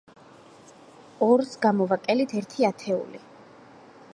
ორს გამოვაკელით ერთი ათეული.